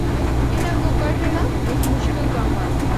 انّاں کو کنڈنا ہک مشکل کم آسا۔